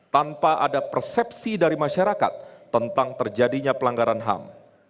tanpa ada persepsi dari masyarakat tentang terjadinya pelanggaran ham